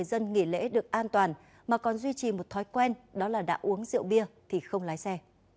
để được an toàn mà còn duy trì một thói quen đó là đã uống rượu bia thì không lái xe